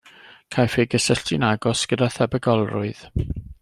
Caiff ei gysylltu'n agos gyda thebygolrwydd.